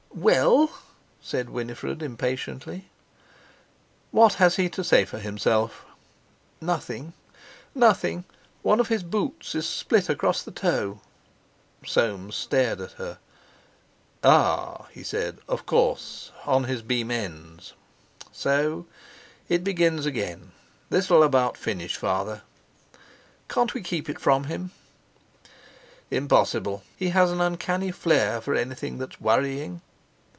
"Well?" said Winifred impatiently. "What has he to say for himself?" "Nothing. One of his boots is split across the toe." Soames stared at her. "Ah!" he said, "of course! On his beam ends. So—it begins again! This'll about finish father." "Can't we keep it from him?" "Impossible. He has an uncanny flair for anything that's worrying."